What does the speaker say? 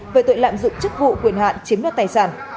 về tội lạm dụng chức vụ quyền hạn chiếm đoạt tài sản